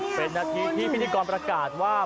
เป็นนาทีที่พิธีกรประกาศว่า